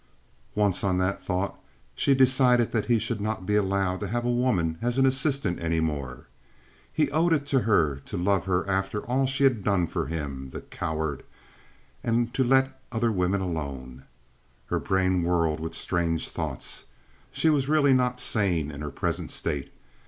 Once on that thought, she decided that he should not be allowed to have a woman as an assistant any more. He owed it to her to love her after all she had done for him, the coward, and to let other women alone. Her brain whirled with strange thoughts. She was really not sane in her present state.